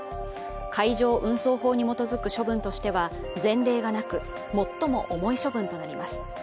海上運送法に基づく処分としては前例がなく最も重い処分となります。